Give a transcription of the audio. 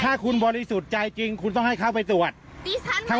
ถ้าคุณบริสุทธิ์ใจจริงคุณต้องให้เขาไปตรวจ